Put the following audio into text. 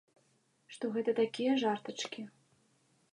Што гэта такія жартачкі.